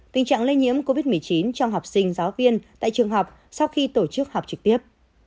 tình trạng lây nhiễm covid một mươi chín trong học sinh giáo viên tại trường học sau khi tổ chức học trực tiếp